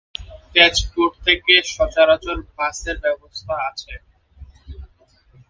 তেজপুর থেকে সচরাচর বাসের ব্যবস্থা আছে।